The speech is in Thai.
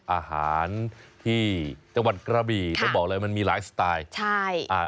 อาหารที่จังหวัดกระบีต้องบอกเลยมันมีไลฟ์สไตล์